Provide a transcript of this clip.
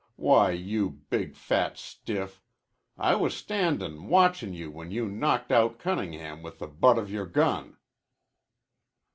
Why, you big fat stiff, I was standin' watchin' you when you knocked out Cunningham with the butt of yore gun."